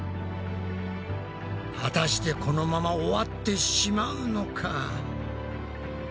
果たしてこのまま終わってしまうのか？